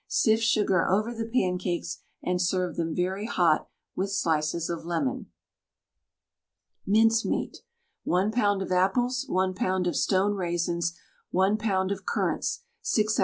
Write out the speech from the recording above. Sift sugar over the pancakes and serve them very hot with slices of lemon. MINCEMEAT. 1 lb. of apples, 1 lb. of stoned raisins, 1 lb. of currants, 6 oz.